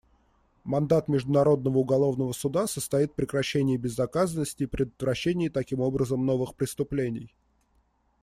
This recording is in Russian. Мандат Международного уголовного суда состоит в прекращении безнаказанности и предотвращении, таким образом, новых преступлений.